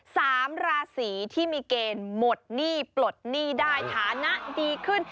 สามราศีที่มีเกณฑ์หมดหนี้ปลดหนี้ได้ฐานะดีขึ้น